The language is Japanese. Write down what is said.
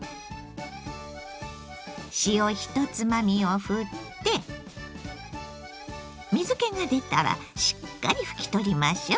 塩１つまみをふって水けが出たらしっかり拭き取りましょ。